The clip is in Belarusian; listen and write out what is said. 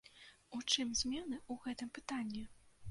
У чым змены ў гэтым пытанні?